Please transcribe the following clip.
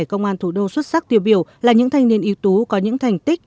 công an thủ đô xuất sắc tiêu biểu là những thanh niên yếu tố có những thành tích